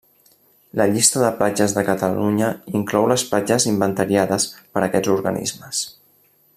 La llista de platges de Catalunya inclou les platges inventariades per aquests organismes.